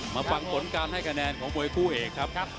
มาฟังผลการให้คะแนนของมวยคู่เอกครับ